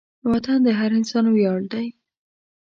وطن د هر انسان ویاړ دی.